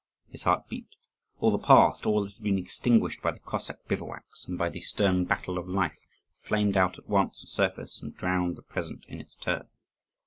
His heart beat. All the past, all that had been extinguished by the Cossack bivouacks, and by the stern battle of life, flamed out at once on the surface and drowned the present in its turn.